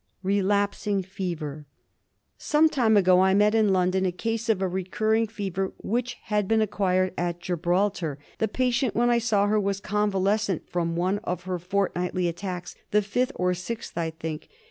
Relapsing Fever. Some time ago I met in London a case of a recurring fever which had been acquired at Gibraltar. The patient when I saw her was convalescent from one of her fort nightly attacks — the fifth or sixth, I think.